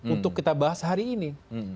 untuk kita bahas hari ini